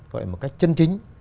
gọi là một cách chân chính